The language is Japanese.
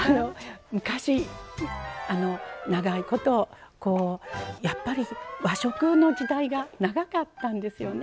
昔、長いことやっぱり和食の時代が長かったんですよね。